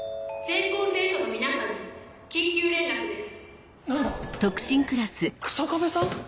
何だ⁉日下部さん？